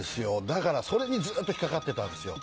だからそれにずっと引っ掛かってたんですよ。